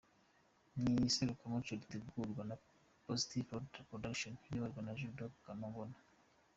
Ni iserukiramuco ritegurwa na Positive Production iyoborwa na Judo Kanobana.